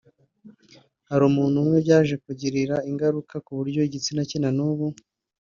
Hari umuntu umwe byaje kugirira ingaruka kuburyo igitsina cye na n’ubu